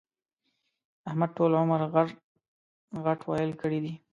احمد ټول عمر غټ ِغټ ويل کړي دي.